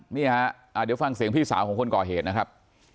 นี่ฮะเดี๋ยวฟังเสียงพี่สาวของคนก่อเหตุนะครับ